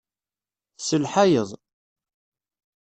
Tselḥayeḍ.